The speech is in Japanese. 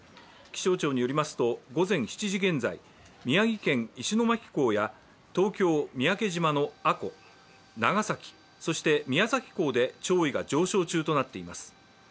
気象庁によりますと午前７時現在、宮城県・石巻港や、東京・三宅島の阿古、長崎、そして宮崎港で潮位が上昇中となっています。